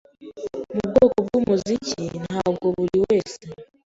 Ubu bwoko bwumuziki ntabwo buriwese.